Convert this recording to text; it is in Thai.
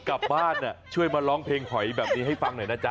กลับบ้านช่วยมาร้องเพลงหอยแบบนี้ให้ฟังหน่อยนะจ๊